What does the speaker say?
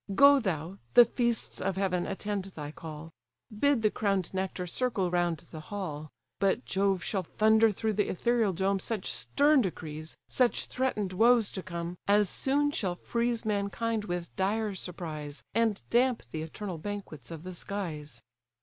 Go thou, the feasts of heaven attend thy call; Bid the crown'd nectar circle round the hall: But Jove shall thunder through the ethereal dome Such stern decrees, such threaten'd woes to come, As soon shall freeze mankind with dire surprise, And damp the eternal banquets of the skies."